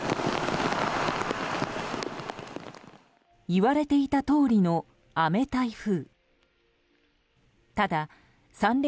いわれていたとおりの雨台風。